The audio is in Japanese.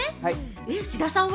志田さんは？